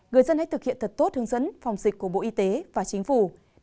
người dân hãy thực hiện thật tốt hướng dẫn phòng dịch của bộ y tế và chính phủ